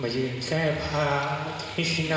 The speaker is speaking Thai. นึกสภาพเพราะว่าคนเคยแข็งแรงหุ่นดีติ๋วดีนะ